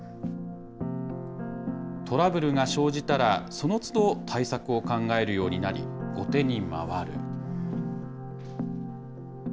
トラブルが生じたらそのつど対策を考えるようになり、後手に回る。